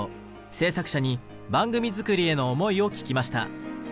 制作者に番組作りへの思いを聞きました。